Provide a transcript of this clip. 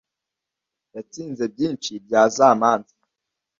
Yatsinze byinshi bya za manza